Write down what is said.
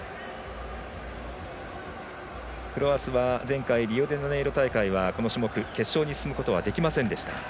フロアスは前回リオデジャネイロ大会はこの種目、決勝に進むことはできませんでした。